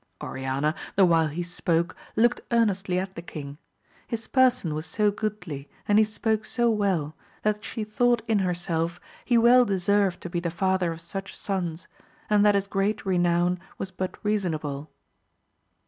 Oriana, the while he spoke, looked earnestly at the king ; his person was so goodly, and he spoke so well, that she thought in herself he well deserved to be the father of such sons, and that his great renown was but reasonable.